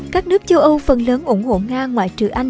các nước châu âu phần lớn ủng hộ nga ngoại trừ anh